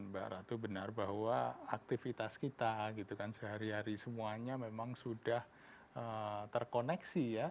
mbak ratu benar bahwa aktivitas kita gitu kan sehari hari semuanya memang sudah terkoneksi ya